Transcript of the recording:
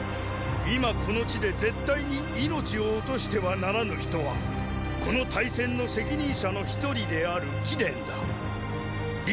今この地で絶対に命を落としてはならぬ人はこの大戦の責任者の一人である貴殿だ李牧殿。